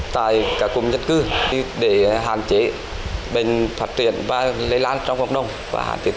tại các ổ dịch nhằm ngăn chặn